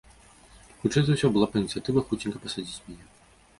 Хутчэй за ўсё, была б ініцыятыва хуценька пасадзіць мяне.